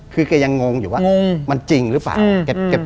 คือแกยังงงอยู่ว่ามันจริงหรือเปล่า